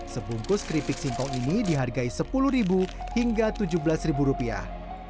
sebungkus keripik singkong ini dihargai sepuluh hingga tujuh belas rupiah